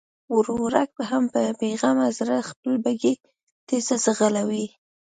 ورورک هم په بېغمه زړه خپله بګۍ تېزه ځغلوي.